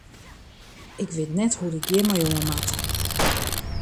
Ik wit net hoe't ik hjir mei oan moat.